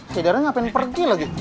sejadinya ngapain pergi lagi